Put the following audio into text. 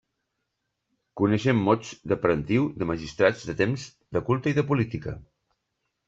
Coneixem mots de parentiu, de magistrats, de temps, de culte i de política.